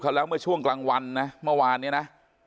แล้วเมื่อช่วงกลางวันนะเมื่อวานเนี่ยนะ